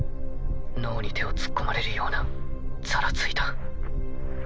脳に手を突っ込まれるようなざらついた。